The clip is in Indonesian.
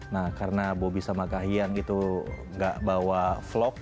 nah karena bobby sama kahian itu nggak bawa vlog